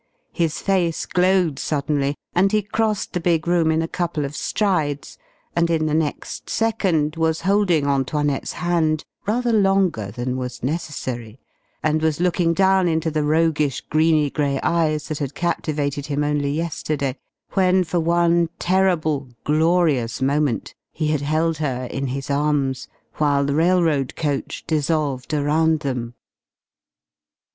His face glowed suddenly and he crossed the big room in a couple of strides and in the next second was holding Antoinette's hand rather longer than was necessary, and was looking down into the rouguish greeny gray eyes that had captivated him only yesterday, when for one terrible, glorious moment he had held her in his arms, while the railroad coach dissolved around them.